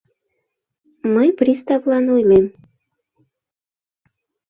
Мый приставлан ойлем...